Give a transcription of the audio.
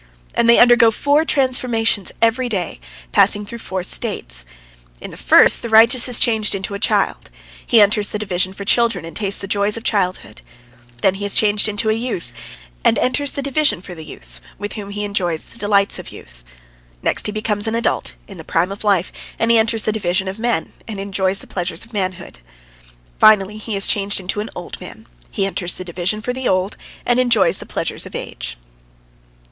And they undergo four transformations every day, passing through four states. In the first the righteous is changed into a child. He enters the division for children, and tastes the joys of childhood. Then he is changed into a youth, and enters the division for the youths, with whom he enjoys the delights of youth. Next he becomes an adult, in the prime of life, and he enters the division of men, and enjoys the pleasures of manhood. Finally, he is changed into an old man. He enters the division for the old, and enjoys the pleasures of age.